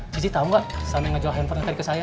cici tau gak selama yang ngejual handphone tadi ke saya